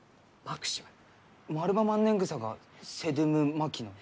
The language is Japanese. マルバマンネングサがセドゥム・マキノイ？